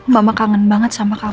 mama kangen banget sama kamu